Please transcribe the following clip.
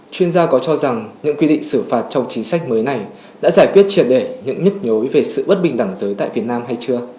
chuyên gia có cho rằng những quy định xử phạt trong chính sách mới này đã giải quyết triệt đề những nhức nhối về sự bất bình đẳng giới tại việt nam hay chưa